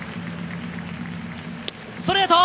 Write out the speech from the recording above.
ストレート！